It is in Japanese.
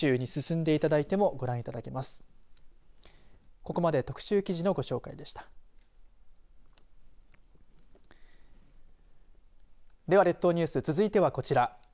では、列島ニュース続いてはこちら。